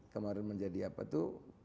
kemarin menjadi apa tuh